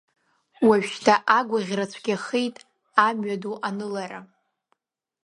Уажәшьҭа агәаӷьра цәгьахеит амҩаду анылара.